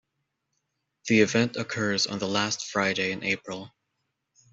The event occurs on the last Friday in April.